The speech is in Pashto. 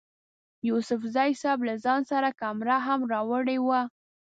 یوسفزي صیب له ځان سره کمره هم راوړې وه.